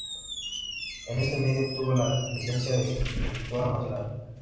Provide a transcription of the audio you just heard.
En este medio obtuvo la licencia de Locutora Nacional.